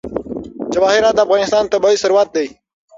جواهرات د افغانستان طبعي ثروت دی.